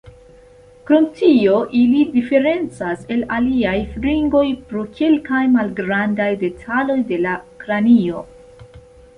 Krom tio, ili diferencas el aliaj fringoj pro kelkaj malgrandaj detaloj de la kranio.